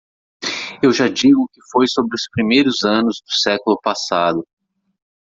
Eu já digo que foi sobre os primeiros anos do século passado.